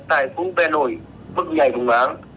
tại khu tè nổi bức nhảy vùng áng